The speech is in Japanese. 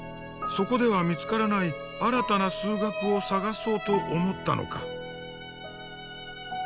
そこでは見つからない新たな数学を探そうと思ったのか。